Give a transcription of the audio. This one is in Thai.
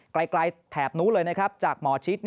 ไกลแถบนู้นเลยนะครับจากหมอชิด